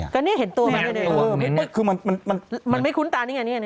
ก็เนี้ยเห็นตัวมันเลยเออคือมันมันมันไม่คุ้นตานี้ไงเนี้ยเนี้ย